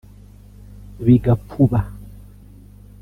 bigapfuba